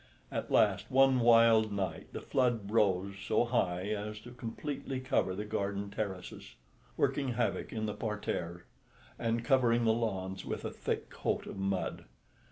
At last one wild night the flood rose so high as to completely cover the garden terraces, working havoc in the parterres, and covering the lawns with a thick coat of mud.